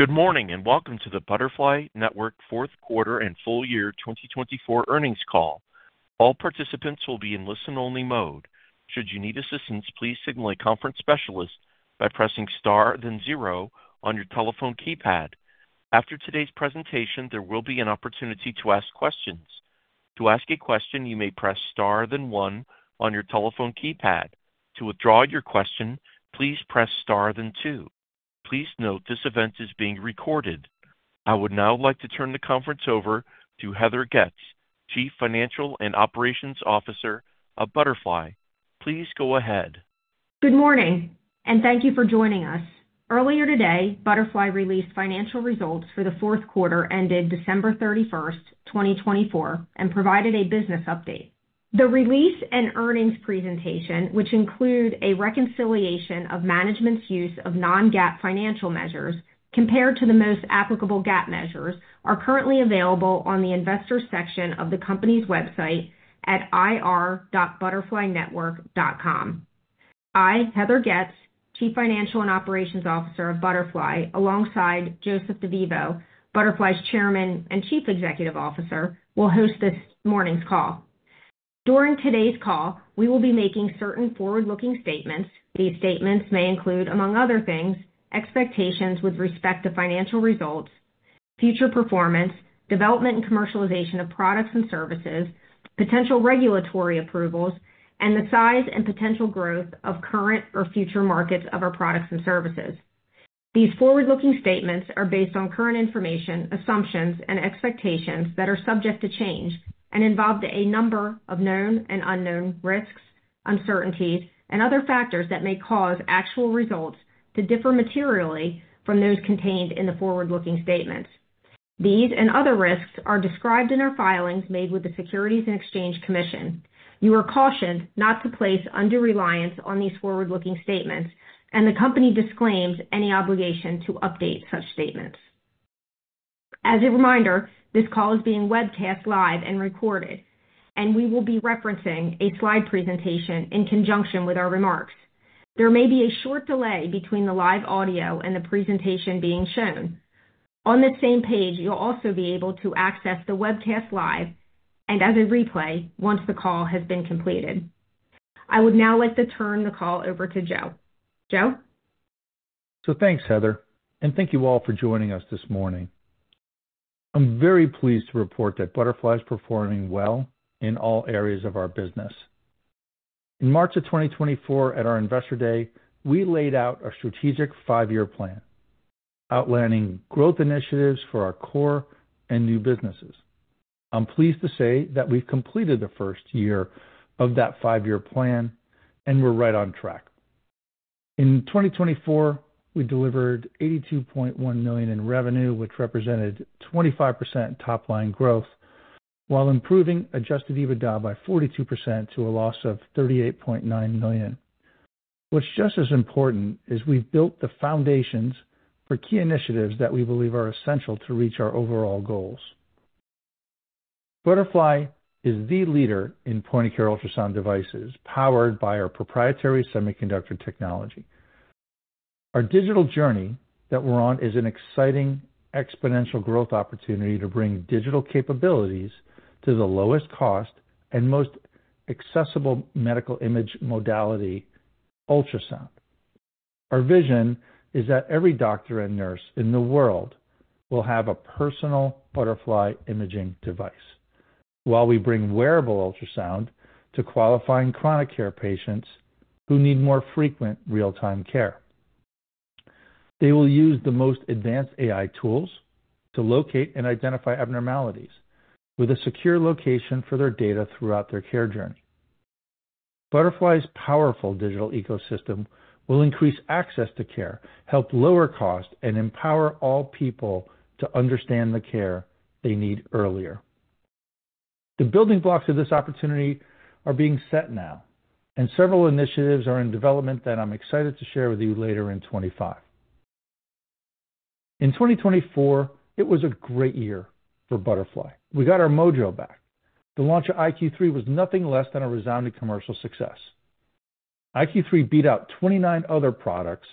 Good morning and welcome to the Butterfly Network Fourth Quarter and Full Year 2024 Earnings Call. All participants will be in listen-only mode. Should you need assistance, please signal a conference specialist by pressing star then 0 on your telephone keypad. After today's presentation, there will be an opportunity to ask questions. To ask a question, you may press star then 1 on your telephone keypad. To withdraw your question, please press star then 2. Please note this event is being recorded. I would now like to turn the conference over to Heather Getz, Chief Financial and Operations Officer of Butterfly. Please go ahead. Good morning, and thank you for joining us. Earlier today, Butterfly released financial results for the fourth quarter ended December 31, 2024, and provided a business update. The release and earnings presentation, which include a reconciliation of management's use of non-GAAP financial measures compared to the most applicable GAAP measures, are currently available on the investor section of the company's website at ir.butterflynetwork.com. I, Heather Getz, Chief Financial and Operations Officer of Butterfly, alongside Joseph DeVivo, Butterfly's Chairman and Chief Executive Officer, will host this morning's call. During today's call, we will be making certain forward-looking statements. These statements may include, among other things, expectations with respect to financial results, future performance, development and commercialization of products and services, potential regulatory approvals, and the size and potential growth of current or future markets of our products and services. These forward-looking statements are based on current information, assumptions, and expectations that are subject to change and involve a number of known and unknown risks, uncertainties, and other factors that may cause actual results to differ materially from those contained in the forward-looking statements. These and other risks are described in our filings made with the Securities and Exchange Commission. You are cautioned not to place undue reliance on these forward-looking statements, and the company disclaims any obligation to update such statements. As a reminder, this call is being webcast live and recorded, and we will be referencing a slide presentation in conjunction with our remarks. There may be a short delay between the live audio and the presentation being shown. On the same page, you'll also be able to access the webcast live and as a replay once the call has been completed. I would now like to turn the call over to Joe. Joe. Thank you, Heather, and thank you all for joining us this morning. I'm very pleased to report that Butterfly is performing well in all areas of our business. In March of 2024, at our Investor Day, we laid out a strategic five-year plan outlining growth initiatives for our core and new businesses. I'm pleased to say that we've completed the first year of that five-year plan, and we're right on track. In 2024, we delivered $82.1 million in revenue, which represented 25% top-line growth, while improving adjusted EBITDA by 42% to a loss of $38.9 million. What's just as important is we've built the foundations for key initiatives that we believe are essential to reach our overall goals. Butterfly is the leader in point-of-care ultrasound devices powered by our proprietary semiconductor technology. Our digital journey that we're on is an exciting exponential growth opportunity to bring digital capabilities to the lowest cost and most accessible medical image modality: ultrasound. Our vision is that every doctor and nurse in the world will have a personal Butterfly imaging device while we bring wearable ultrasound to qualifying chronic care patients who need more frequent real-time care. They will use the most advanced AI tools to locate and identify abnormalities with a secure location for their data throughout their care journey. Butterfly's powerful digital ecosystem will increase access to care, help lower costs, and empower all people to understand the care they need earlier. The building blocks of this opportunity are being set now, and several initiatives are in development that I'm excited to share with you later in 2025. In 2024, it was a great year for Butterfly. We got our mojo back. The launch of iQ3 was nothing less than a resounding commercial success. iQ3 beat out 29 other products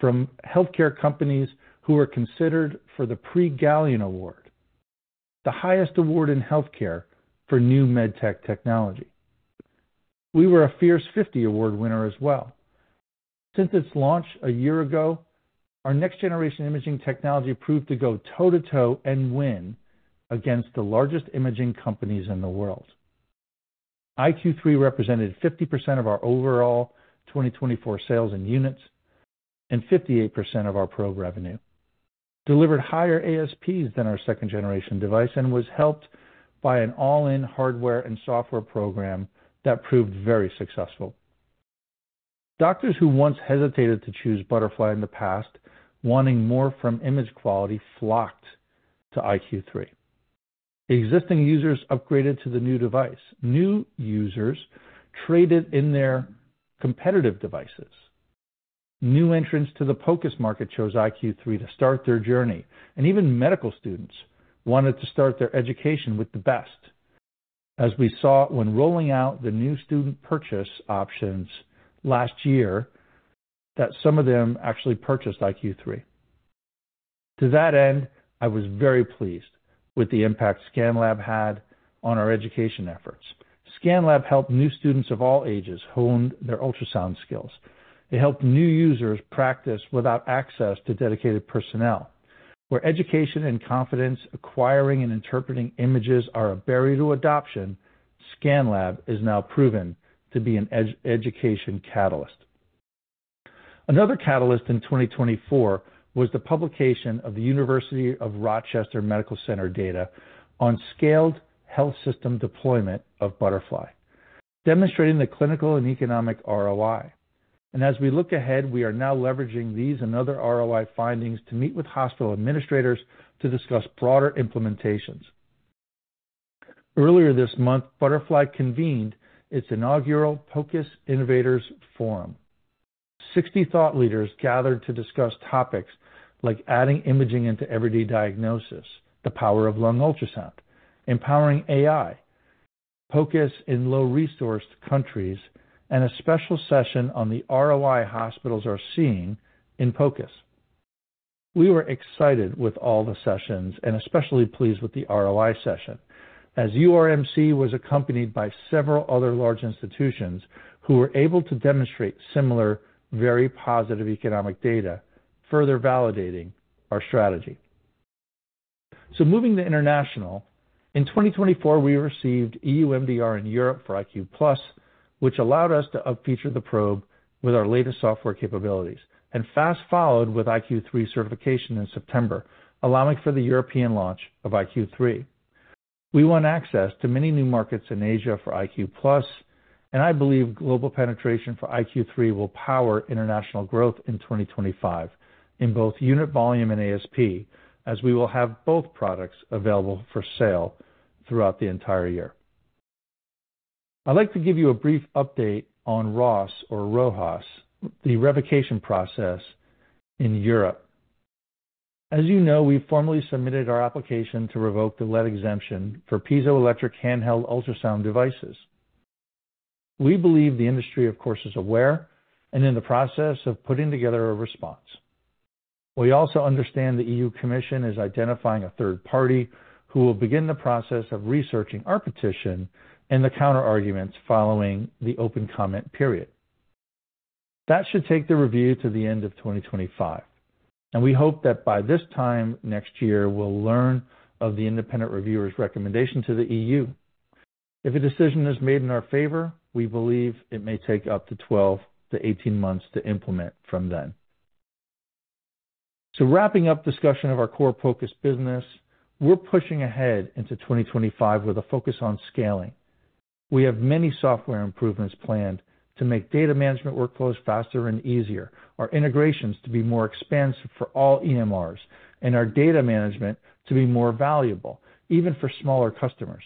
from healthcare companies who were considered for the Prix Galien Award, the highest award in healthcare for new medtech technology. We were a Fierce 50 Award winner as well. Since its launch a year ago, our next-generation imaging technology proved to go toe-to-toe and win against the largest imaging companies in the world. iQ3 represented 50% of our overall 2024 sales and units and 58% of our pro revenue, delivered higher ASPs than our second-generation device, and was helped by an all-in hardware and software program that proved very successful. Doctors who once hesitated to choose Butterfly in the past, wanting more from image quality, flocked to iQ3. Existing users upgraded to the new device. New users traded in their competitive devices. New entrants to the focus market chose iQ3 to start their journey, and even medical students wanted to start their education with the best. As we saw when rolling out the new student purchase options last year, some of them actually purchased iQ3. To that end, I was very pleased with the impact ScanLab had on our education efforts. ScanLab helped new students of all ages hone their ultrasound skills. It helped new users practice without access to dedicated personnel. Where education and confidence acquiring and interpreting images are a barrier to adoption, ScanLab is now proven to be an education catalyst. Another catalyst in 2024 was the publication of the University of Rochester Medical Center data on scaled health system deployment of Butterfly, demonstrating the clinical and economic ROI. As we look ahead, we are now leveraging these and other ROI findings to meet with hospital administrators to discuss broader implementations. Earlier this month, Butterfly convened its inaugural POCUS Innovators Forum. Sixty thought leaders gathered to discuss topics like adding imaging into everyday diagnosis, the power of lung ultrasound, empowering AI, POCUS in low-resourced countries, and a special session on the ROI hospitals are seeing in POCUS. We were excited with all the sessions and especially pleased with the ROI session as URMC was accompanied by several other large institutions who were able to demonstrate similar very positive economic data, further validating our strategy. Moving to international, in 2024, we received EUMDR in Europe for iQ+, which allowed us to feature the probe with our latest software capabilities and fast followed with iQ3 certification in September, allowing for the European launch of iQ3. We want access to many new markets in Asia for iQ+, and I believe global penetration for iQ3 will power international growth in 2025 in both unit volume and ASP, as we will have both products available for sale throughout the entire year. I'd like to give you a brief update on ROHS, the revocation process in Europe. As you know, we formally submitted our application to revoke the lead exemption for piezoelectric handheld ultrasound devices. We believe the industry, of course, is aware and in the process of putting together a response. We also understand the EU Commission is identifying a third party who will begin the process of researching our petition and the counterarguments following the open comment period. That should take the review to the end of 2025, and we hope that by this time next year, we'll learn of the independent reviewer's recommendation to the EU. If a decision is made in our favor, we believe it may take up to 12-18 months to implement from then. Wrapping up discussion of our core focus business, we're pushing ahead into 2025 with a focus on scaling. We have many software improvements planned to make data management workflows faster and easier, our integrations to be more expansive for all EMRs, and our data management to be more valuable, even for smaller customers.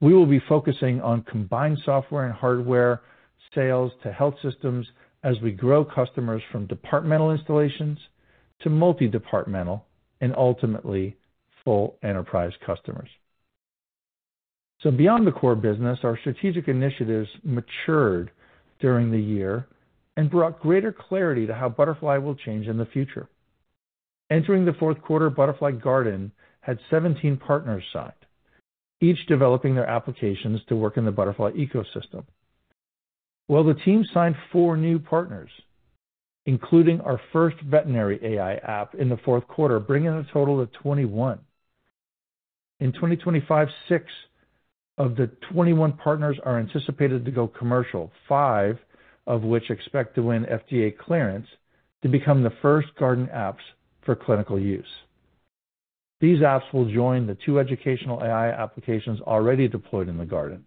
We will be focusing on combined software and hardware sales to health systems as we grow customers from departmental installations to multi-departmental and ultimately full enterprise customers. Beyond the core business, our strategic initiatives matured during the year and brought greater clarity to how Butterfly will change in the future. Entering the fourth quarter, Butterfly Garden had 17 partners signed, each developing their applications to work in the Butterfly ecosystem. The team signed four new partners, including our first veterinary AI app in the fourth quarter, bringing a total of 21. In 2025, six of the 21 partners are anticipated to go commercial, five of which expect to win FDA clearance to become the first garden apps for clinical use. These apps will join the two educational AI applications already deployed in the garden,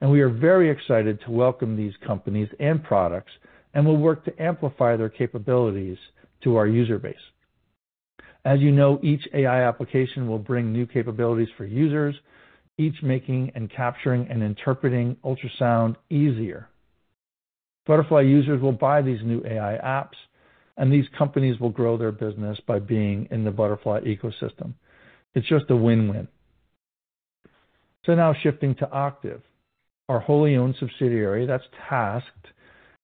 and we are very excited to welcome these companies and products and will work to amplify their capabilities to our user base. As you know, each AI application will bring new capabilities for users, each making and capturing and interpreting ultrasound easier. Butterfly users will buy these new AI apps, and these companies will grow their business by being in the Butterfly ecosystem. It's just a win-win. Now shifting to Octiv, our wholly owned subsidiary that's tasked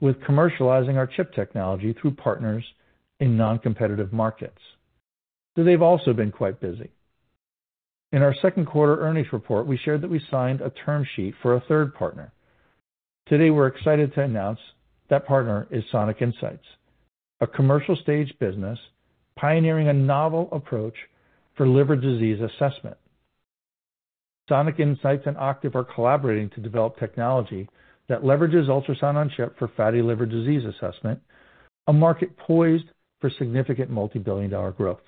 with commercializing our chip technology through partners in non-competitive markets. They've also been quite busy. In our second quarter earnings report, we shared that we signed a term sheet for a third partner. Today, we're excited to announce that partner is Sonic Insights, a commercial stage business pioneering a novel approach for liver disease assessment. Sonic Insights and Octiv are collaborating to develop technology that leverages ultrasound-on-chip for fatty liver disease assessment, a market poised for significant multi-billion-dollar growth.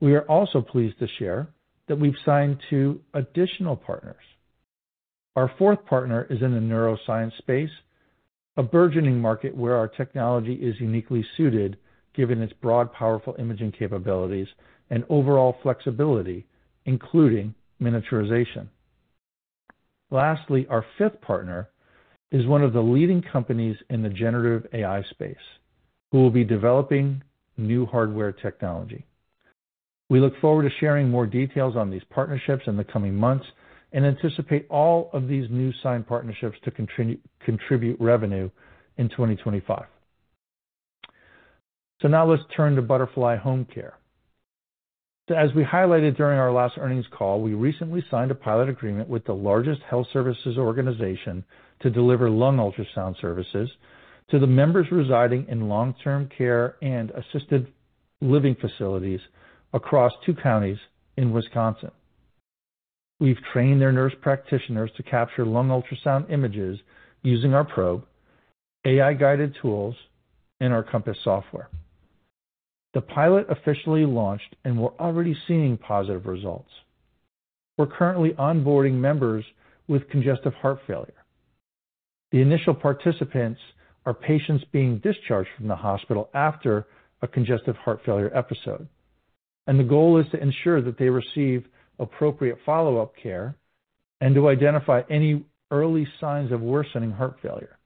We are also pleased to share that we've signed two additional partners. Our fourth partner is in the neuroscience space, a burgeoning market where our technology is uniquely suited given its broad, powerful imaging capabilities and overall flexibility, including miniaturization. Lastly, our fifth partner is one of the leading companies in the generative AI space who will be developing new hardware technology. We look forward to sharing more details on these partnerships in the coming months and anticipate all of these new signed partnerships to contribute revenue in 2025. Now let's turn to Butterfly Home Care. As we highlighted during our last earnings call, we recently signed a pilot agreement with the largest health services organization to deliver lung ultrasound services to the members residing in long-term care and assisted living facilities across two counties in Wisconsin. We've trained their nurse practitioners to capture lung ultrasound images using our probe, AI-guided tools, and our Compass software. The pilot officially launched, and we're already seeing positive results. We're currently onboarding members with congestive heart failure. The initial participants are patients being discharged from the hospital after a congestive heart failure episode, and the goal is to ensure that they receive appropriate follow-up care and to identify any early signs of worsening heart failure.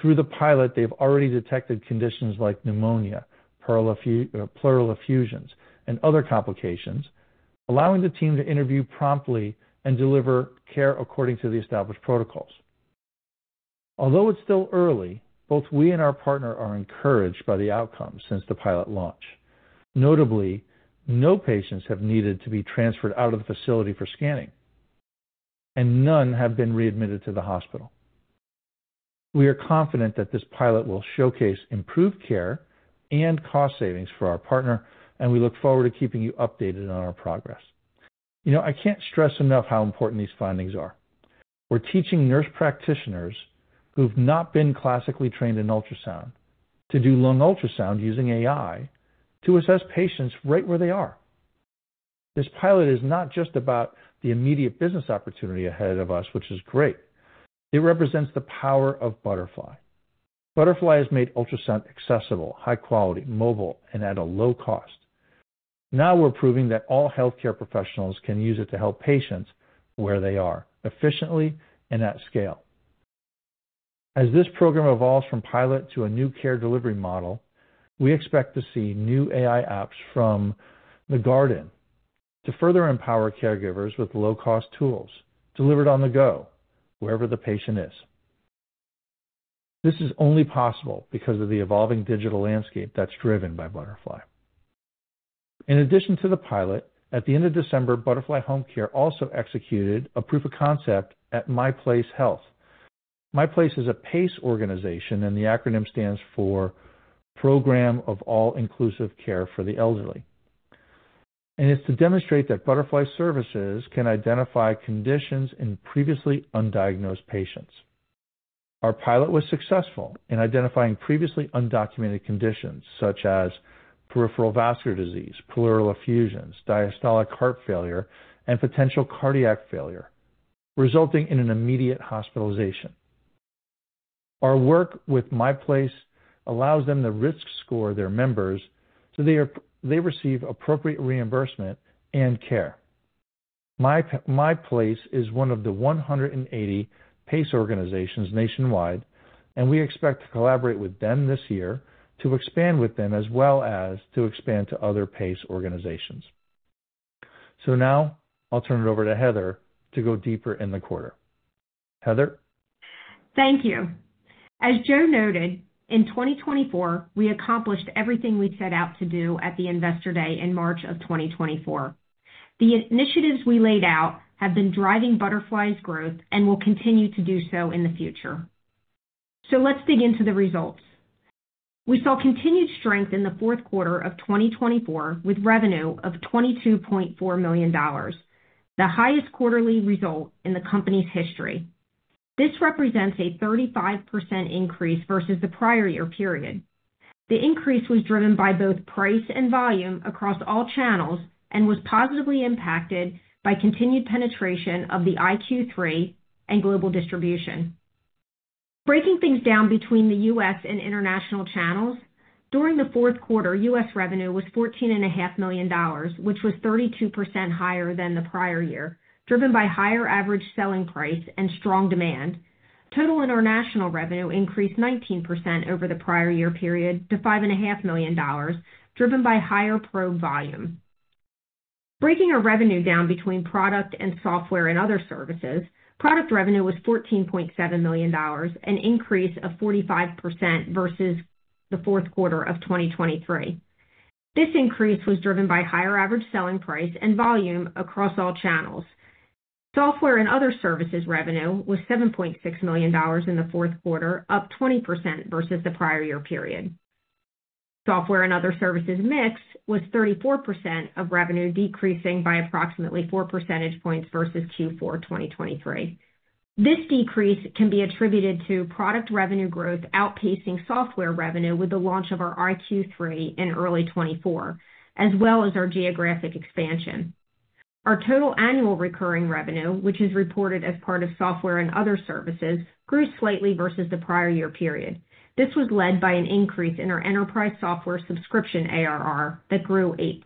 Through the pilot, they've already detected conditions like pneumonia, pleural effusions, and other complications, allowing the team to intervene promptly and deliver care according to the established protocols. Although it's still early, both we and our partner are encouraged by the outcomes since the pilot launch. Notably, no patients have needed to be transferred out of the facility for scanning, and none have been readmitted to the hospital. We are confident that this pilot will showcase improved care and cost savings for our partner, and we look forward to keeping you updated on our progress. You know, I can't stress enough how important these findings are. We're teaching nurse practitioners who've not been classically trained in ultrasound to do lung ultrasound using AI to assess patients right where they are. This pilot is not just about the immediate business opportunity ahead of us, which is great. It represents the power of Butterfly. Butterfly has made ultrasound accessible, high-quality, mobile, and at a low cost. Now we're proving that all healthcare professionals can use it to help patients where they are efficiently and at scale. As this program evolves from pilot to a new care delivery model, we expect to see new AI apps from the Garden to further empower caregivers with low-cost tools delivered on the go, wherever the patient is. This is only possible because of the evolving digital landscape that's driven by Butterfly. In addition to the pilot, at the end of December, Butterfly Home Care also executed a proof of concept at My Place Health. My Place is a PACE organization, and the acronym stands for Program of All-Inclusive Care for the Elderly. It is to demonstrate that Butterfly services can identify conditions in previously undiagnosed patients. Our pilot was successful in identifying previously undocumented conditions such as peripheral vascular disease, pleural effusions, diastolic heart failure, and potential cardiac failure, resulting in an immediate hospitalization. Our work with My Place allows them to risk score their members, so they receive appropriate reimbursement and care. My Place is one of the 180 PACE organizations nationwide, and we expect to collaborate with them this year to expand with them as well as to expand to other PACE organizations. Now I'll turn it over to Heather to go deeper in the quarter. Heather. Thank you. As Joe noted, in 2024, we accomplished everything we set out to do at the Investor Day in March of 2024. The initiatives we laid out have been driving Butterfly's growth and will continue to do so in the future. Let's dig into the results. We saw continued strength in the fourth quarter of 2024 with revenue of $22.4 million, the highest quarterly result in the company's history. This represents a 35% increase versus the prior year period. The increase was driven by both price and volume across all channels and was positively impacted by continued penetration of the iQ3 and global distribution. Breaking things down between the U.S. and international channels, during the fourth quarter, U.S. revenue was $14.5 million, which was 32% higher than the prior year, driven by higher average selling price and strong demand. Total international revenue increased 19% over the prior year period to $5.5 million, driven by higher probe volume. Breaking our revenue down between product and software and other services, product revenue was $14.7 million, an increase of 45% versus the fourth quarter of 2023. This increase was driven by higher average selling price and volume across all channels. Software and other services revenue was $7.6 million in the fourth quarter, up 20% versus the prior year period. Software and other services mix was 34% of revenue, decreasing by approximately 4 percentage points versus Q4 2023. This decrease can be attributed to product revenue growth outpacing software revenue with the launch of our iQ3 in early 2024, as well as our geographic expansion. Our total annual recurring revenue, which is reported as part of software and other services, grew slightly versus the prior year period. This was led by an increase in our enterprise software subscription ARR that grew 8%.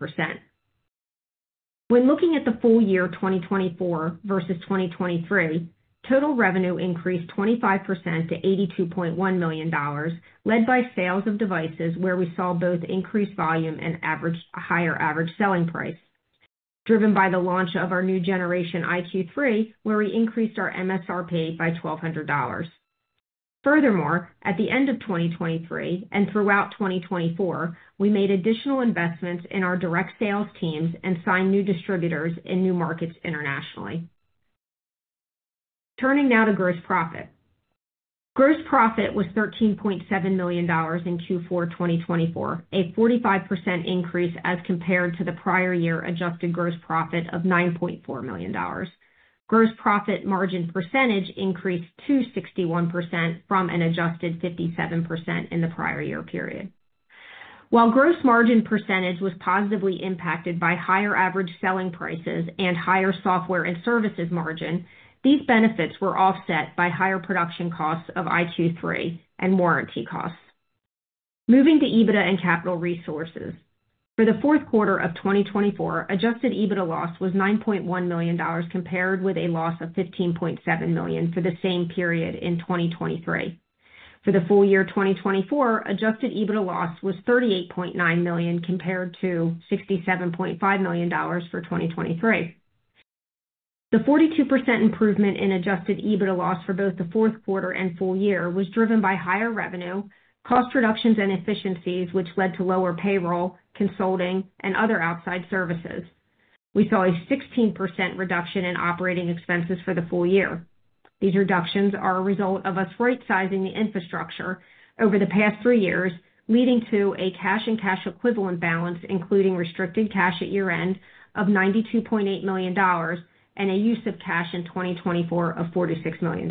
When looking at the full year 2024 versus 2023, total revenue increased 25% to $82.1 million, led by sales of devices where we saw both increased volume and higher average selling price, driven by the launch of our new generation iQ3, where we increased our MSRP by $1,200. Furthermore, at the end of 2023 and throughout 2024, we made additional investments in our direct sales teams and signed new distributors in new markets internationally. Turning now to gross profit. Gross profit was $13.7 million in Q4 2024, a 45% increase as compared to the prior year adjusted gross profit of $9.4 million. Gross profit margin percentage increased to 61% from an adjusted 57% in the prior year period. While gross margin percentage was positively impacted by higher average selling prices and higher software and services margin, these benefits were offset by higher production costs of iQ3 and warranty costs. Moving to EBITDA and capital resources. For the fourth quarter of 2024, adjusted EBITDA loss was $9.1 million compared with a loss of $15.7 million for the same period in 2023. For the full year 2024, adjusted EBITDA loss was $38.9 million compared to $67.5 million for 2023. The 42% improvement in adjusted EBITDA loss for both the fourth quarter and full year was driven by higher revenue, cost reductions, and efficiencies, which led to lower payroll, consulting, and other outside services. We saw a 16% reduction in operating expenses for the full year. These reductions are a result of us right-sizing the infrastructure over the past three years, leading to a cash and cash equivalent balance, including restricted cash at year-end of $92.8 million and a use of cash in 2024 of $46 million.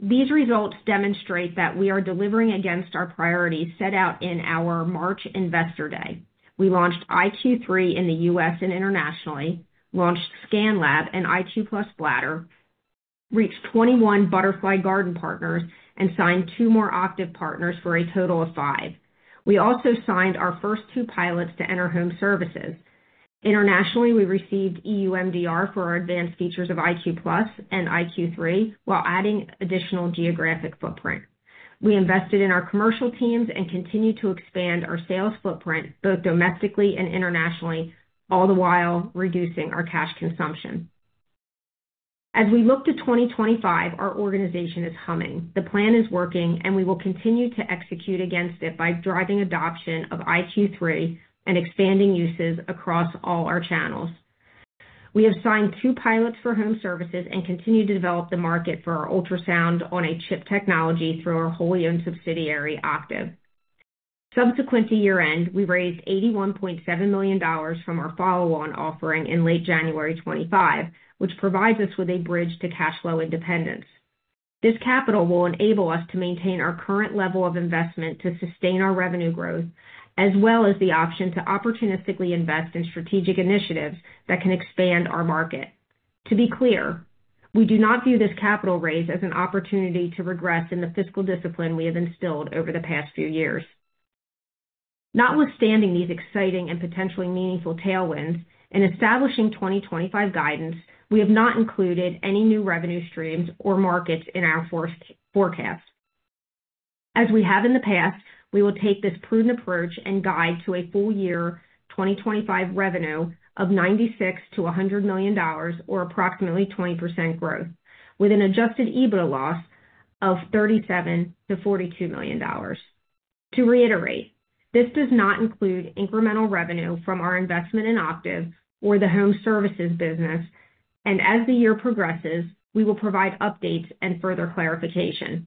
These results demonstrate that we are delivering against our priorities set out in our March Investor Day. We launched iQ3 in the U.S. and internationally, launched ScanLab and iQ+ Bladder, reached 21 Butterfly Garden partners, and signed two more Octiv partners for a total of five. We also signed our first two pilots to enter home services. Internationally, we received EUMDR for our advanced features of iQ+ and iQ3 while adding additional geographic footprint. We invested in our commercial teams and continue to expand our sales footprint both domestically and internationally, all the while reducing our cash consumption. As we look to 2025, our organization is humming. The plan is working, and we will continue to execute against it by driving adoption of iQ3 and expanding uses across all our channels. We have signed two pilots for home services and continue to develop the market for our ultrasound-on-chip technology through our wholly owned subsidiary, Octiv. Subsequent to year-end, we raised $81.7 million from our follow-on offering in late January 2025, which provides us with a bridge to cash flow independence. This capital will enable us to maintain our current level of investment to sustain our revenue growth, as well as the option to opportunistically invest in strategic initiatives that can expand our market. To be clear, we do not view this capital raise as an opportunity to regress in the fiscal discipline we have instilled over the past few years. Notwithstanding these exciting and potentially meaningful tailwinds and establishing 2025 guidance, we have not included any new revenue streams or markets in our forecast. As we have in the past, we will take this prudent approach and guide to a full year 2025 revenue of $96-$100 million, or approximately 20% growth, with an adjusted EBITDA loss of $37-$42 million. To reiterate, this does not include incremental revenue from our investment in Octave or the home services business, and as the year progresses, we will provide updates and further clarification.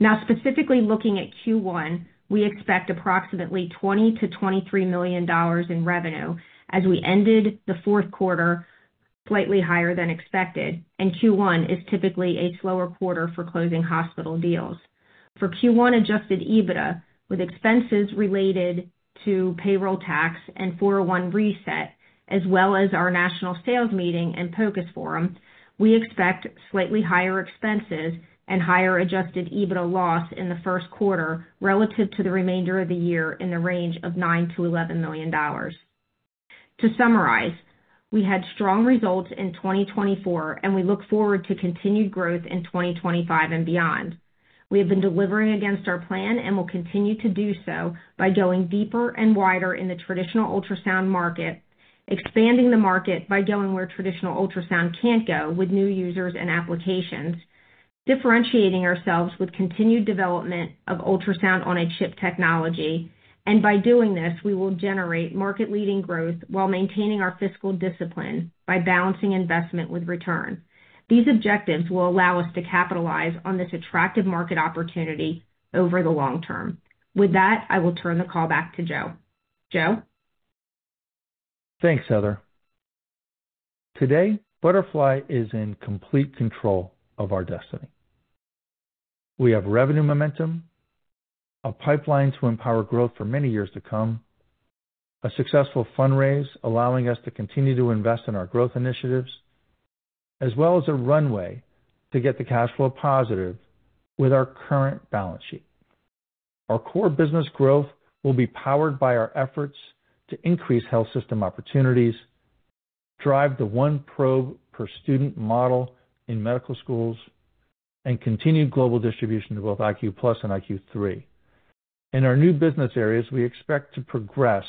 Now, specifically looking at Q1, we expect approximately $20-$23 million in revenue as we ended the fourth quarter slightly higher than expected, and Q1 is typically a slower quarter for closing hospital deals. For Q1 adjusted EBITDA, with expenses related to payroll tax and 401(b) reset, as well as our national sales meeting and POCUS forum, we expect slightly higher expenses and higher adjusted EBITDA loss in the first quarter relative to the remainder of the year in the range of $9-$11 million. To summarize, we had strong results in 2024, and we look forward to continued growth in 2025 and beyond. We have been delivering against our plan and will continue to do so by going deeper and wider in the traditional ultrasound market, expanding the market by going where traditional ultrasound can't go with new users and applications, differentiating ourselves with continued development of ultrasound-on-chip technology, and by doing this, we will generate market-leading growth while maintaining our fiscal discipline by balancing investment with return. These objectives will allow us to capitalize on this attractive market opportunity over the long term. With that, I will turn the call back to Joe. Joe. Thanks, Heather. Today, Butterfly is in complete control of our destiny. We have revenue momentum, a pipeline to empower growth for many years to come, a successful fundraise allowing us to continue to invest in our growth initiatives, as well as a runway to get the cash flow positive with our current balance sheet. Our core business growth will be powered by our efforts to increase health system opportunities, drive the one probe per student model in medical schools, and continue global distribution to both iQ+ and iQ3. In our new business areas, we expect to progress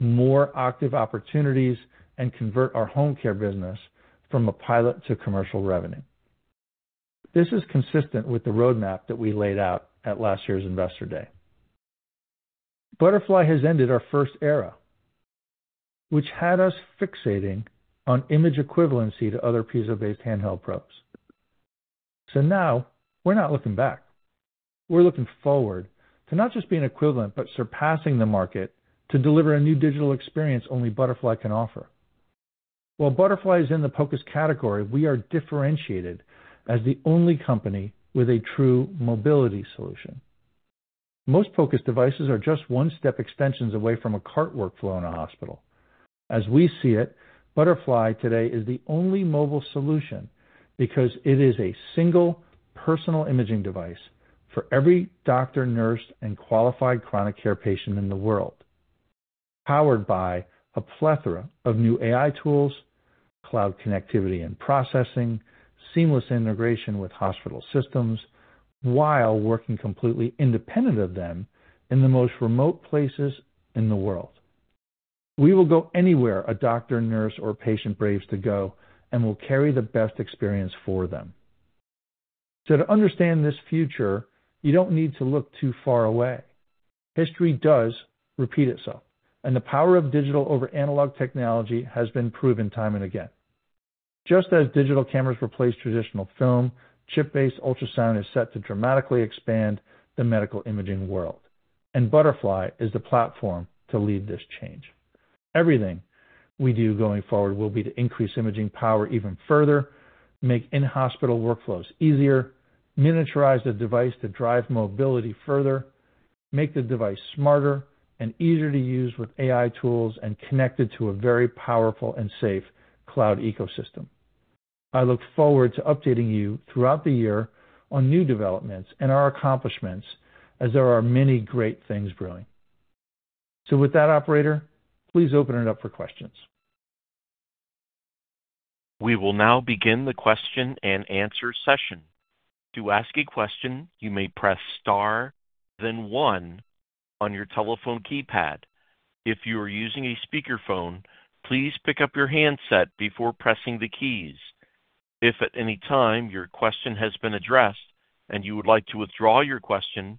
more Octiv opportunities and convert our home care business from a pilot to commercial revenue. This is consistent with the roadmap that we laid out at last year's Investor Day. Butterfly has ended our first era, which had us fixating on image equivalency to other POCUS-based handheld probes. We are not looking back. We are looking forward to not just being equivalent, but surpassing the market to deliver a new digital experience only Butterfly can offer. While Butterfly is in the POCUS category, we are differentiated as the only company with a true mobility solution. Most POCUS devices are just one step extensions away from a cart workflow in a hospital. As we see it, Butterfly today is the only mobile solution because it is a single personal imaging device for every doctor, nurse, and qualified chronic care patient in the world, powered by a plethora of new AI tools, cloud connectivity and processing, seamless integration with hospital systems, while working completely independent of them in the most remote places in the world. We will go anywhere a doctor, nurse, or patient braves to go and will carry the best experience for them. To understand this future, you don't need to look too far away. History does repeat itself, and the power of digital over analog technology has been proven time and again. Just as digital cameras replace traditional film, chip-based ultrasound is set to dramatically expand the medical imaging world, and Butterfly is the platform to lead this change. Everything we do going forward will be to increase imaging power even further, make in-hospital workflows easier, miniaturize the device to drive mobility further, make the device smarter and easier to use with AI tools, and connected to a very powerful and safe cloud ecosystem. I look forward to updating you throughout the year on new developments and our accomplishments, as there are many great things brewing. With that, operator, please open it up for questions. We will now begin the question and answer session. To ask a question, you may press star, then 1 on your telephone keypad. If you are using a speakerphone, please pick up your handset before pressing the keys. If at any time your question has been addressed and you would like to withdraw your question,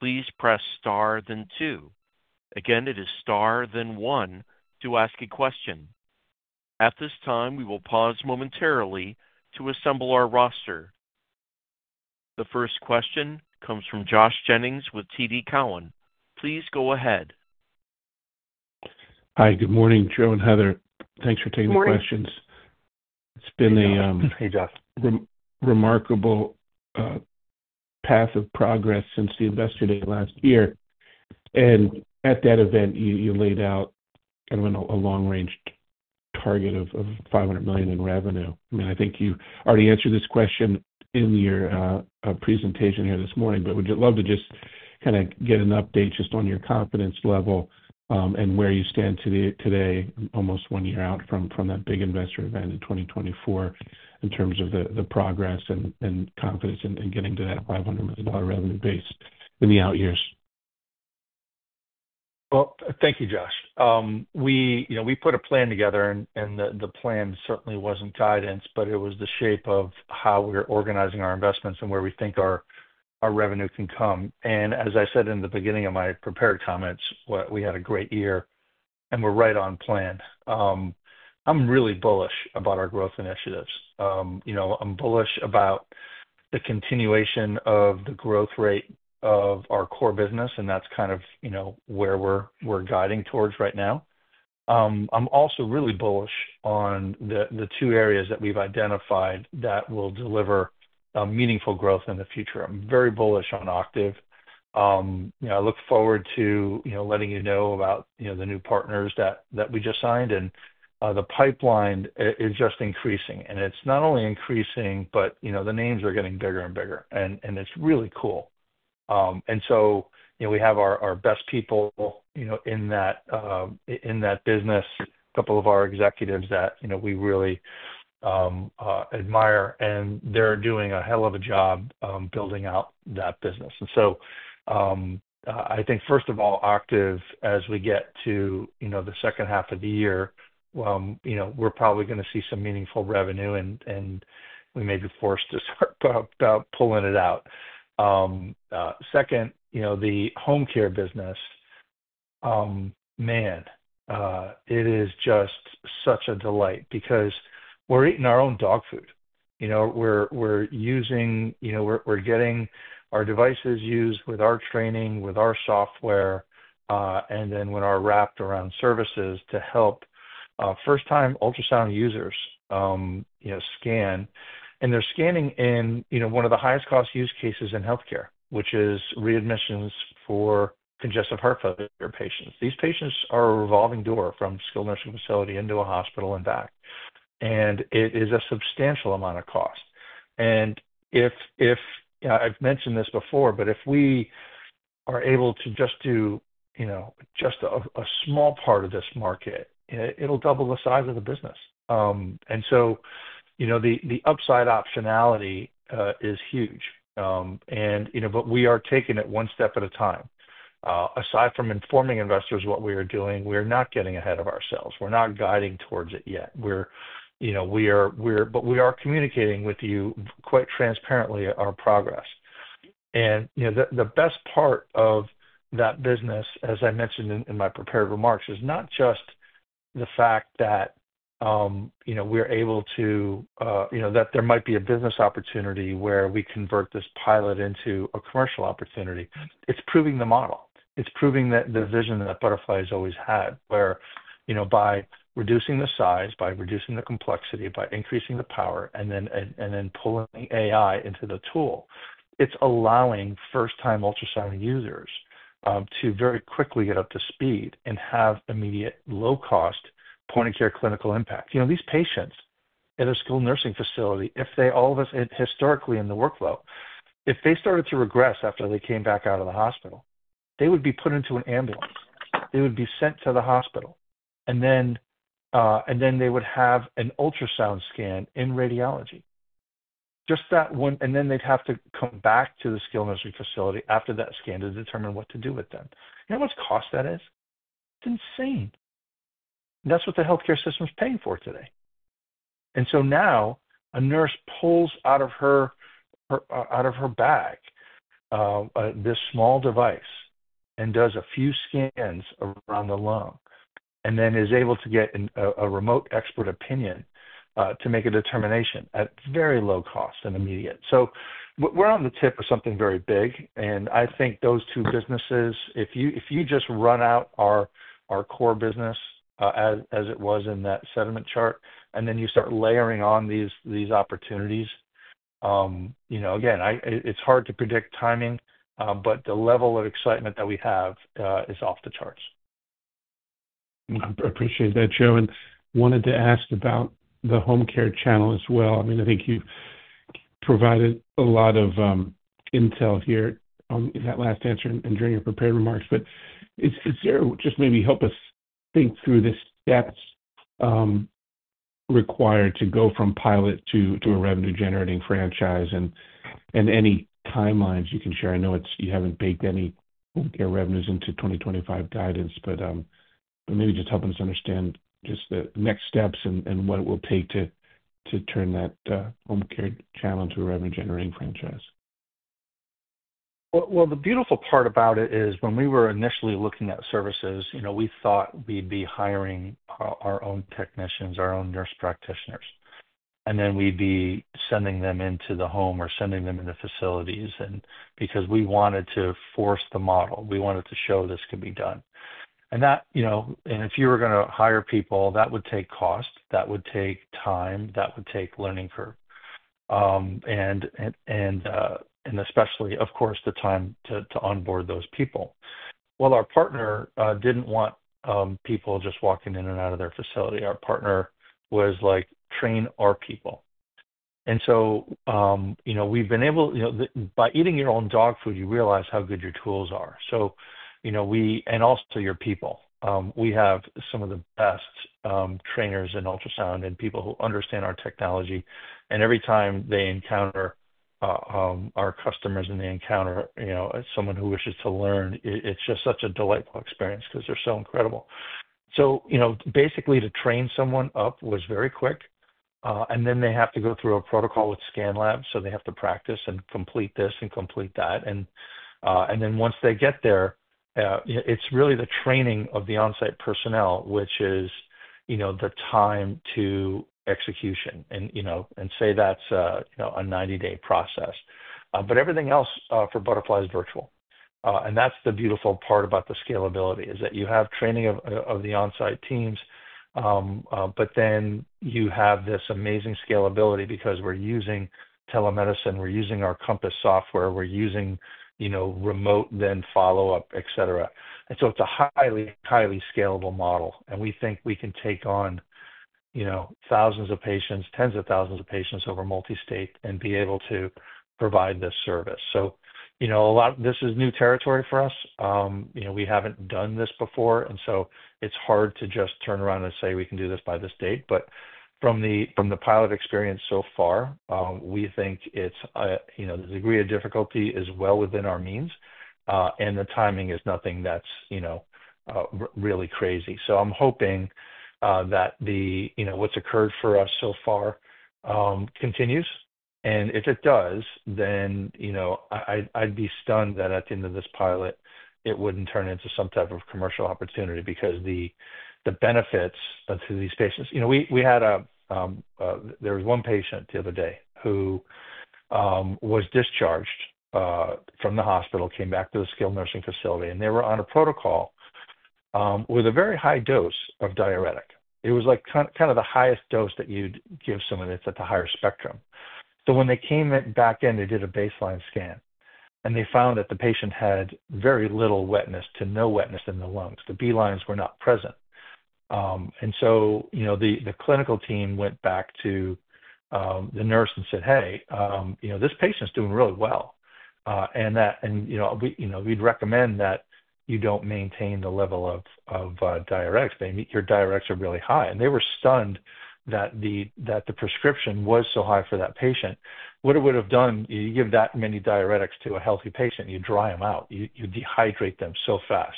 please press star, then 2. Again, it is star, then one to ask a question. At this time, we will pause momentarily to assemble our roster. The first question comes from Josh Jennings with TD Cowen. Please go ahead. Hi, good morning, Joe and Heather. Thanks for taking the questions. It's been a remarkable path of progress since the Investor Day last year. At that event, you laid out kind of a long-range target of $500 million in revenue. I mean, I think you already answered this question in your presentation here this morning, but would you love to just kind of get an update just on your confidence level and where you stand today, almost one year out from that big investor event in 2024, in terms of the progress and confidence in getting to that $500 million revenue base in the out years? Thank you, Josh. We put a plan together, and the plan certainly was not guidance, but it was the shape of how we are organizing our investments and where we think our revenue can come. As I said in the beginning of my prepared comments, we had a great year, and we are right on plan. I am really bullish about our growth initiatives. I'm bullish about the continuation of the growth rate of our core business, and that's kind of where we're guiding towards right now. I'm also really bullish on the two areas that we've identified that will deliver meaningful growth in the future. I'm very bullish on Octiv. I look forward to letting you know about the new partners that we just signed, and the pipeline is just increasing. It's not only increasing, but the names are getting bigger and bigger, and it's really cool. We have our best people in that business, a couple of our executives that we really admire, and they're doing a hell of a job building out that business. I think, first of all, Octiv, as we get to the second half of the year, we're probably going to see some meaningful revenue, and we may be forced to start pulling it out. Second, the home care business, man, it is just such a delight because we're eating our own dog food. We're using, we're getting our devices used with our training, with our software, and then with our wrapped around services to help first-time ultrasound users scan, and they're scanning in one of the highest-cost use cases in healthcare, which is readmissions for congestive heart failure patients. These patients are a revolving door from skilled nursing facility into a hospital and back, and it is a substantial amount of cost. I have mentioned this before, but if we are able to just do just a small part of this market, it will double the size of the business. The upside optionality is huge, and we are taking it one step at a time. Aside from informing investors what we are doing, we are not getting ahead of ourselves. We are not guiding towards it yet. We are communicating with you quite transparently our progress. The best part of that business, as I mentioned in my prepared remarks, is not just the fact that we are able to, that there might be a business opportunity where we convert this pilot into a commercial opportunity. It is proving the model. It's proving the vision that Butterfly has always had, where by reducing the size, by reducing the complexity, by increasing the power, and then pulling AI into the tool, it's allowing first-time ultrasound users to very quickly get up to speed and have immediate low-cost point-of-care clinical impact. These patients in a skilled nursing facility, if they all of us historically in the workflow, if they started to regress after they came back out of the hospital, they would be put into an ambulance. They would be sent to the hospital, and then they would have an ultrasound scan in radiology. Just that one, and then they'd have to come back to the skilled nursing facility after that scan to determine what to do with them. You know what cost that is? It's insane. That's what the healthcare system is paying for today. Now a nurse pulls out of her bag this small device and does a few scans around the lung and then is able to get a remote expert opinion to make a determination at very low cost and immediate. We are on the tip of something very big, and I think those two businesses, if you just run out our core business as it was in that sediment chart, and then you start layering on these opportunities, again, it is hard to predict timing, but the level of excitement that we have is off the charts. I appreciate that, Joe. I wanted to ask about the home care channel as well. I mean, I think you've provided a lot of intel here in that last answer and during your prepared remarks, but is there just maybe help us think through the steps required to go from pilot to a revenue-generating franchise and any timelines you can share? I know you haven't baked any home care revenues into 2025 guidance, but maybe just helping us understand just the next steps and what it will take to turn that home care channel into a revenue-generating franchise. The beautiful part about it is when we were initially looking at services, we thought we'd be hiring our own technicians, our own nurse practitioners, and then we'd be sending them into the home or sending them into facilities because we wanted to force the model. We wanted to show this could be done. If you were going to hire people, that would take cost, that would take time, that would take learning curve, and especially, of course, the time to onboard those people. Our partner did not want people just walking in and out of their facility. Our partner was like, "Train our people." We have been able, by eating your own dog food, you realize how good your tools are. Also your people. We have some of the best trainers in ultrasound and people who understand our technology. Every time they encounter our customers and they encounter someone who wishes to learn, it is just such a delightful experience because they are so incredible. Basically, to train someone up was very quick, and then they have to go through a protocol with ScanLab, so they have to practice and complete this and complete that. Once they get there, it's really the training of the on-site personnel, which is the time to execution, and say that's a 90-day process. Everything else for Butterfly is virtual. The beautiful part about the scalability is that you have training of the on-site teams, but then you have this amazing scalability because we're using telemedicine, we're using our Compass software, we're using remote, then follow-up, etc. It is a highly, highly scalable model, and we think we can take on thousands of patients, tens of thousands of patients over multi-state and be able to provide this service. This is new territory for us. We haven't done this before, and so it's hard to just turn around and say, "We can do this by this date." From the pilot experience so far, we think the degree of difficulty is well within our means, and the timing is nothing that's really crazy. I'm hoping that what's occurred for us so far continues. If it does, then I'd be stunned that at the end of this pilot, it wouldn't turn into some type of commercial opportunity because the benefits to these patients—we had a, there was one patient the other day who was discharged from the hospital, came back to the skilled nursing facility, and they were on a protocol with a very high dose of diuretic. It was kind of the highest dose that you'd give someone. It's at the higher spectrum. When they came back in, they did a baseline scan, and they found that the patient had very little wetness to no wetness in the lungs. The B lines were not present. The clinical team went back to the nurse and said, "Hey, this patient's doing really well, and we'd recommend that you don't maintain the level of diuretics. Your diuretics are really high." They were stunned that the prescription was so high for that patient. What it would have done, you give that many diuretics to a healthy patient, you dry them out, you dehydrate them so fast.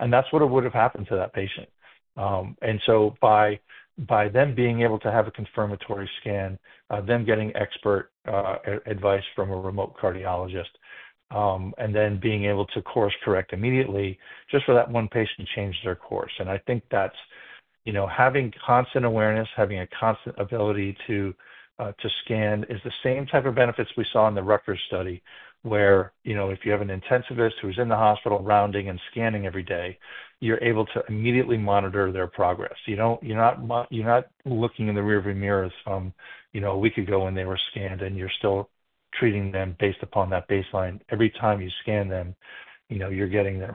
That is what would have happened to that patient. By them being able to have a confirmatory scan, them getting expert advice from a remote cardiologist, and then being able to course-correct immediately just for that one patient changed their course. I think that's having constant awareness, having a constant ability to scan is the same type of benefits we saw in the Rutgers study where if you have an intensivist who's in the hospital rounding and scanning every day, you're able to immediately monitor their progress. You're not looking in the rearview mirrors from a week ago when they were scanned, and you're still treating them based upon that baseline. Every time you scan them, you're getting them.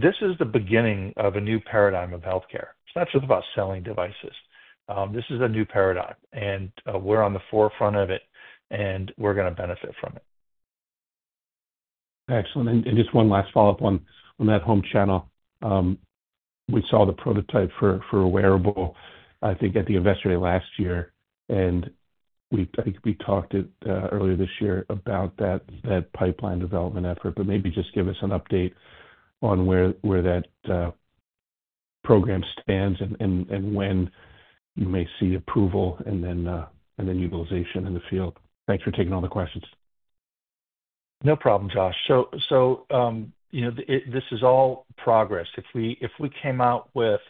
This is the beginning of a new paradigm of healthcare. It's not just about selling devices. This is a new paradigm, and we're on the forefront of it, and we're going to benefit from it. Excellent. Just one last follow-up on that home channel. We saw the prototype for Wearable, I think, at the Investor Day last year, and I think we talked earlier this year about that pipeline development effort, but maybe just give us an update on where that program stands and when you may see approval and then utilization in the field. Thanks for taking all the questions. No problem, Josh. This is all progress. If we came out with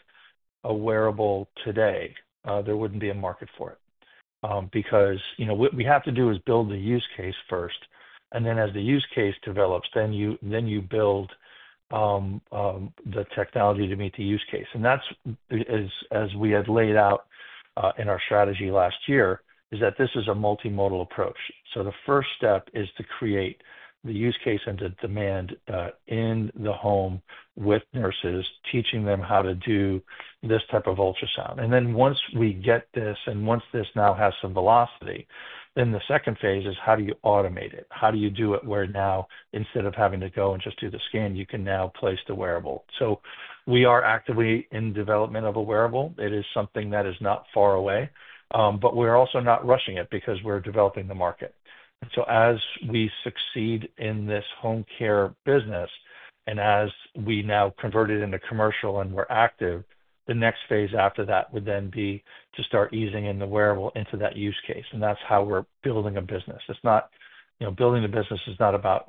a Wearable today, there wouldn't be a market for it because what we have to do is build the use case first, and then as the use case develops, you build the technology to meet the use case. As we had laid out in our strategy last year, this is a multimodal approach. The first step is to create the use case and to demand in the home with nurses, teaching them how to do this type of ultrasound. Once we get this and once this now has some velocity, the second phase is how do you automate it? How do you do it where now, instead of having to go and just do the scan, you can now place the Wearable? We are actively in development of a Wearable. It is something that is not far away, but we're also not rushing it because we're developing the market. As we succeed in this home care business and as we now convert it into commercial and we're active, the next phase after that would then be to start easing in the Wearable into that use case. That's how we're building a business. Building the business is not about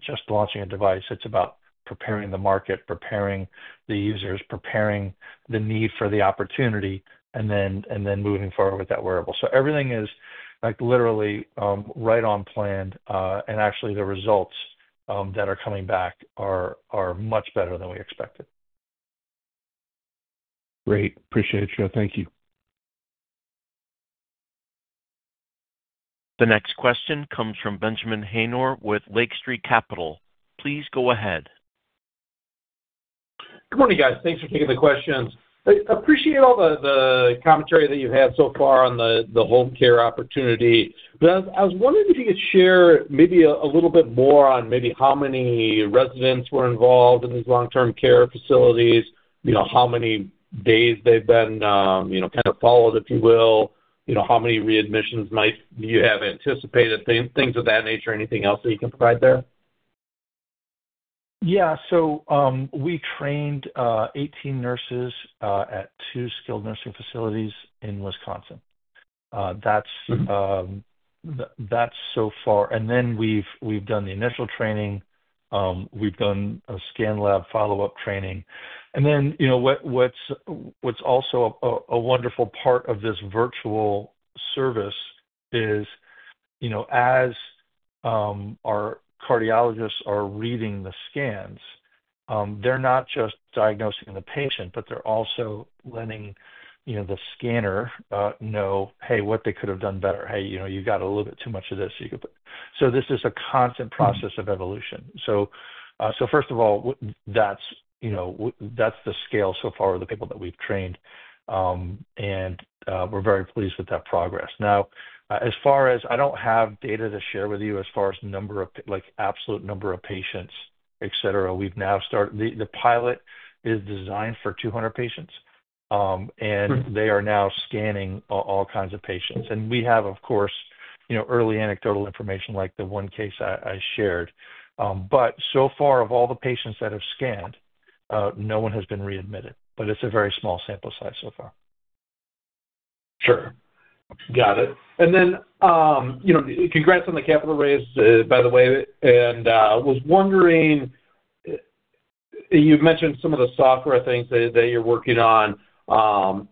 just launching a device. It's about preparing the market, preparing the users, preparing the need for the opportunity, and then moving forward with that Wearable. Everything is literally right on plan, and actually the results that are coming back are much better than we expected. Great. Appreciate it, Joe. Thank you. The next question comes from Benjamin Haynor with Lake Street Capital. Please go ahead. Good morning, guys. Thanks for taking the questions. I appreciate all the commentary that you've had so far on the home care opportunity. I was wondering if you could share maybe a little bit more on maybe how many residents were involved in these long-term care facilities, how many days they've been kind of followed, if you will, how many readmissions you have anticipated, things of that nature, anything else that you can provide there? Yeah. We trained 18 nurses at two skilled nursing facilities in Wisconsin. That's so far. We have done the initial training. We have done a ScanLab follow-up training. What's also a wonderful part of this virtual service is as our cardiologists are reading the scans, they're not just diagnosing the patient, but they're also letting the scanner know, "Hey, what they could have done better. Hey, you got a little bit too much of this." This is a constant process of evolution. First of all, that's the scale so far of the people that we've trained, and we're very pleased with that progress. As far as I don't have data to share with you as far as the absolute number of patients, etc., we've now started. The pilot is designed for 200 patients, and they are now scanning all kinds of patients. We have, of course, early anecdotal information like the one case I shared. So far, of all the patients that have scanned, no one has been readmitted, but it's a very small sample size so far. Sure. Got it. Congrats on the capital raise, by the way. I was wondering, you've mentioned some of the software things that you're working on.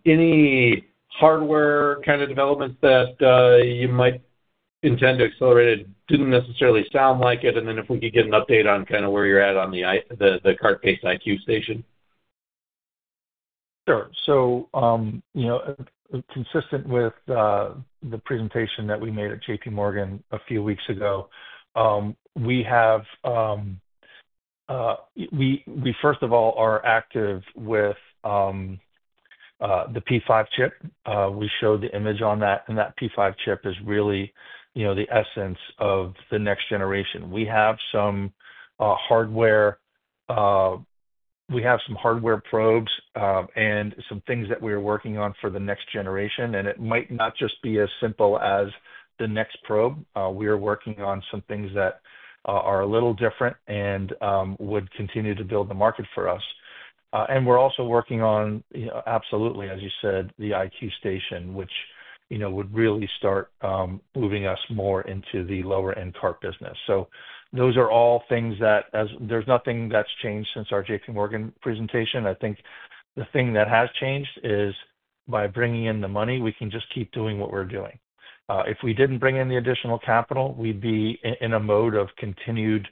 Any hardware kind of developments that you might intend to accelerate? It didn't necessarily sound like it. If we could get an update on kind of where you're at on the cart-based iQ Station. Sure. Consistent with the presentation that we made at JPMorgan a few weeks ago, we have, first of all, are active with the P5 chip. We showed the image on that, and that P5 chip is really the essence of the next generation. We have some hardware, we have some hardware probes and some things that we are working on for the next generation, and it might not just be as simple as the next probe. We are working on some things that are a little different and would continue to build the market for us. We are also working on, absolutely, as you said, the iQ station, which would really start moving us more into the lower-end cart business. Those are all things that there's nothing that's changed since our JPMorgan presentation. I think the thing that has changed is by bringing in the money, we can just keep doing what we're doing. If we didn't bring in the additional capital, we'd be in a mode of continued,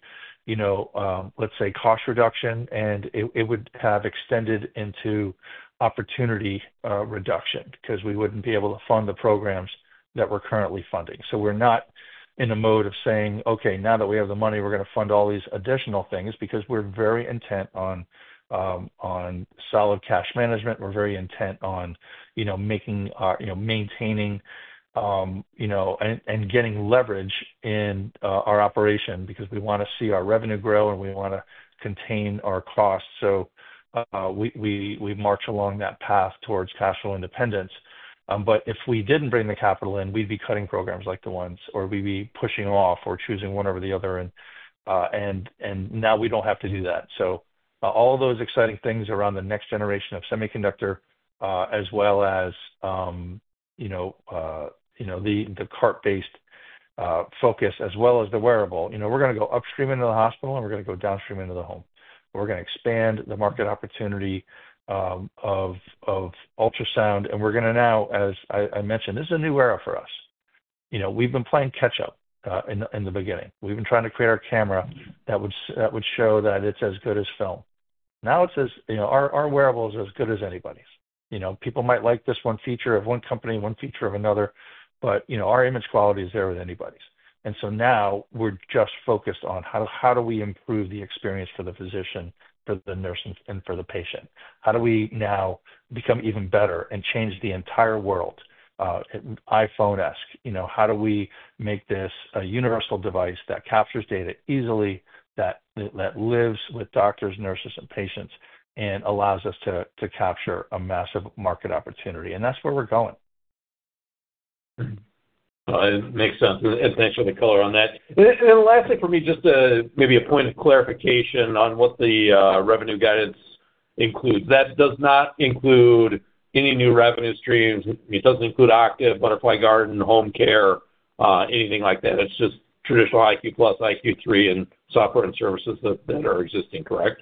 let's say, cost reduction, and it would have extended into opportunity reduction because we wouldn't be able to fund the programs that we're currently funding. We are not in a mode of saying, "Okay, now that we have the money, we're going to fund all these additional things," because we're very intent on solid cash management. We're very intent on making, maintaining, and getting leverage in our operation because we want to see our revenue grow, and we want to contain our costs. We march along that path towards cash flow independence. If we didn't bring the capital in, we'd be cutting programs like the ones, or we'd be pushing off or choosing one over the other. Now we don't have to do that. All those exciting things around the next generation of semiconductor, as well as the cart-based focus, as well as the Wearable, we're going to go upstream into the hospital, and we're going to go downstream into the home. We're going to expand the market opportunity of ultrasound, and we're going to now, as I mentioned, this is a new era for us. We've been playing catch-up in the beginning. We've been trying to create our camera that would show that it's as good as film. Now it's as our Wearable is as good as anybody's. People might like this one feature of one company, one feature of another, but our image quality is there with anybody's. Now we're just focused on how do we improve the experience for the physician, for the nurse, and for the patient? How do we now become even better and change the entire world? iPhone-esque, how do we make this a universal device that captures data easily, that lives with doctors, nurses, and patients, and allows us to capture a massive market opportunity? That is where we are going. Makes sense. Thanks for the color on that. Lastly, for me, just maybe a point of clarification on what the revenue guidance includes. That does not include any new revenue streams. It does not include Octiv, Butterfly Garden, Home Care, anything like that. It is just traditional iQ+, iQ3, and software and services that are existing, correct?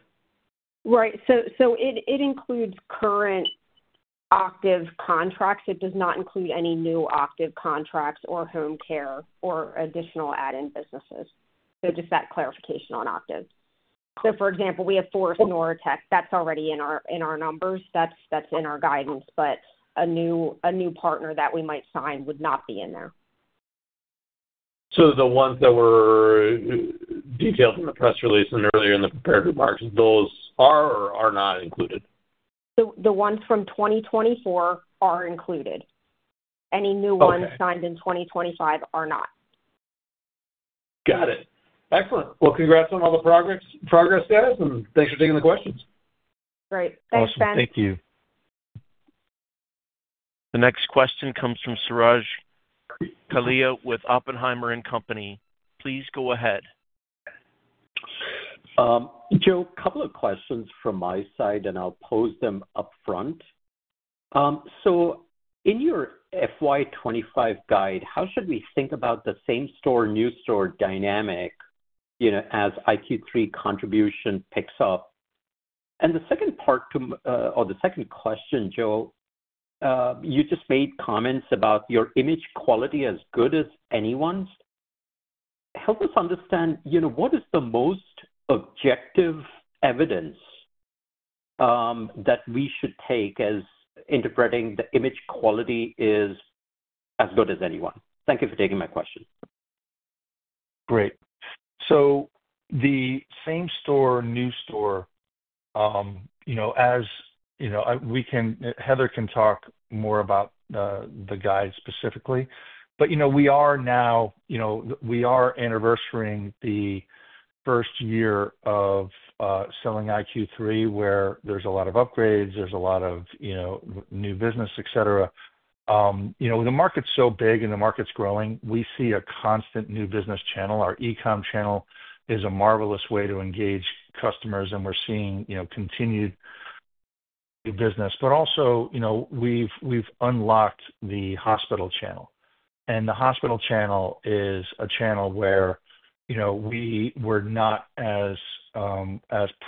Right. It includes current Octiv contracts. It does not include any new Octiv contracts or Home Care or additional add-in businesses. Just that clarification on Octiv. For example, we have Forest Neurotech. That is already in our numbers. That's in our guidance, but a new partner that we might sign would not be in there. The ones that were detailed in the press release and earlier in the prepared remarks, those are or are not included? The ones from 2024 are included. Any new ones signed in 2025 are not. Got it. Excellent. Congrats on all the progress status, and thanks for taking the questions. Great. Thanks, Ben. Thank you. The next question comes from Suraj Kalia with Oppenheimer and Company. Please go ahead. Joe, a couple of questions from my side, and I'll pose them upfront. In your FY25 guide, how should we think about the same-store, new-store dynamic as iQ3 contribution picks up? The second part, or the second question, Joe, you just made comments about your image quality as good as anyone's. Help us understand what is the most objective evidence that we should take as interpreting the image quality is as good as anyone? Thank you for taking my question. Great. The same-store, new-store, as we can, Heather can talk more about the guide specifically, but we are now, we are anniversarying the first year of selling iQ3, where there is a lot of upgrades, there is a lot of new business, etc. The market is so big and the market is growing. We see a constant new business channel. Our e-com channel is a marvelous way to engage customers, and we are seeing continued new business. Also, we have unlocked the hospital channel. The hospital channel is a channel where we were not as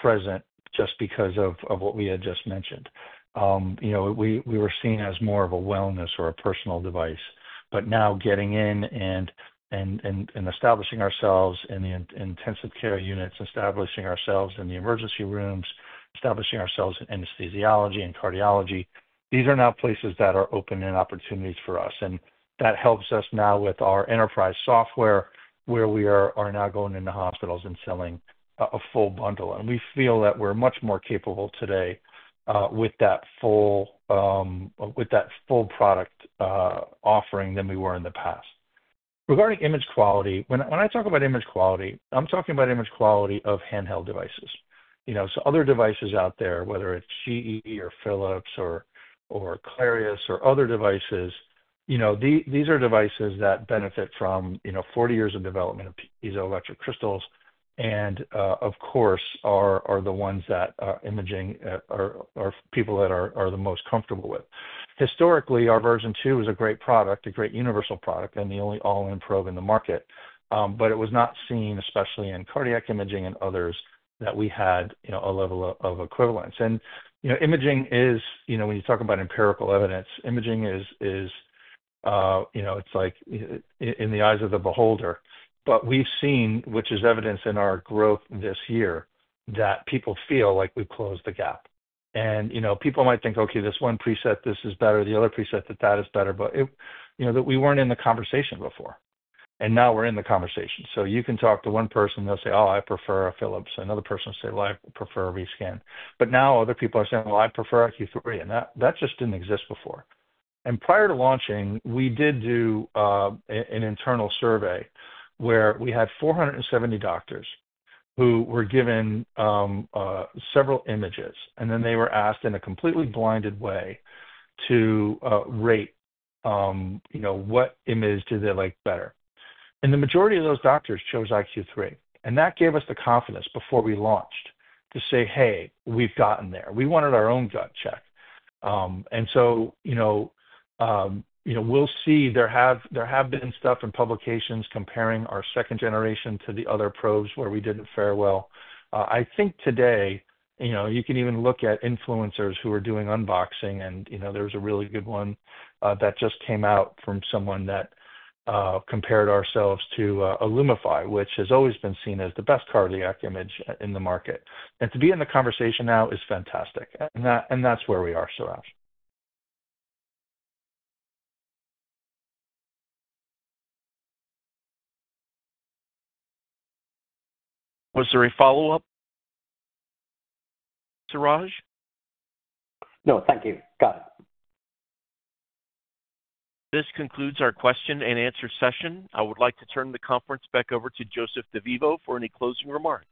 present just because of what we had just mentioned. We were seen as more of a wellness or a personal device. Now getting in and establishing ourselves in the intensive care units, establishing ourselves in the emergency rooms, establishing ourselves in anesthesiology and cardiology, these are now places that are open and opportunities for us. That helps us now with our enterprise software, where we are now going into hospitals and selling a full bundle. We feel that we're much more capable today with that full product offering than we were in the past. Regarding image quality, when I talk about image quality, I'm talking about image quality of handheld devices. Other devices out there, whether it's GE or Philips or Clarius or other devices, these are devices that benefit from 40 years of development of piezoelectric crystals and, of course, are the ones that imaging are people that are the most comfortable with. Historically, our version two was a great product, a great universal product, and the only all-in probe in the market. It was not seen, especially in cardiac imaging and others, that we had a level of equivalence. Imaging is, when you talk about empirical evidence, it's like in the eyes of the beholder. We have seen, which is evidence in our growth this year, that people feel like we've closed the gap. People might think, "Okay, this one preset, this is better. The other preset, that is better," but we were not in the conversation before. Now we are in the conversation. You can talk to one person, they'll say, "Oh, I prefer a Philips." Another person will say, "I prefer a rescan." Now other people are saying, "I prefer iQ3." That just did not exist before. Prior to launching, we did do an internal survey where we had 470 doctors who were given several images, and then they were asked in a completely blinded way to rate what image they like better. The majority of those doctors chose iQ3. That gave us the confidence before we launched to say, "Hey, we've gotten there." We wanted our own gut check. We'll see. There have been stuff in publications comparing our second generation to the other probes where we didn't fare well. I think today, you can even look at influencers who are doing unboxing, and there was a really good one that just came out from someone that compared ourselves to a Lumify, which has always been seen as the best cardiac image in the market. To be in the conversation now is fantastic. That's where we are so far. Was there a follow-up, Suraj? No, thank you. Got it. This concludes our question and answer session. I would like to turn the conference back over to Joseph DeVivo for any closing remarks.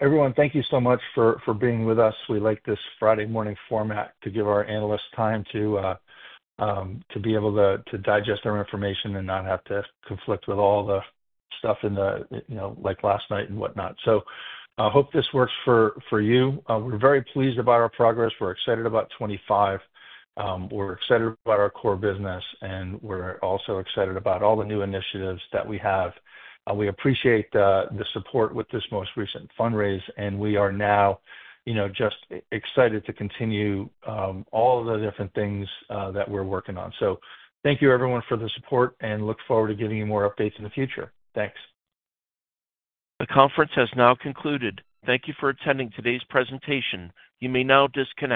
Everyone, thank you so much for being with us. We like this Friday morning format to give our analysts time to be able to digest our information and not have to conflict with all the stuff like last night and whatnot. I hope this works for you. We're very pleased about our progress. We're excited about 2025. We're excited about our core business, and we're also excited about all the new initiatives that we have. We appreciate the support with this most recent fundraise, and we are now just excited to continue all of the different things that we're working on. Thank you, everyone, for the support, and look forward to giving you more updates in the future. Thanks. The conference has now concluded. Thank you for attending today's presentation. You may now disconnect.